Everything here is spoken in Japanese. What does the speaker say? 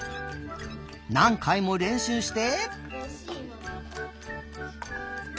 なんかいもれんしゅうして。